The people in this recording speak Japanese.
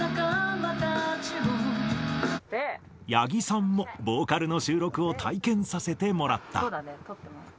八木さんもボーカルの収録を体験させてもらった。